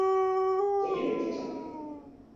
这动作有人说是源于哈奴曼。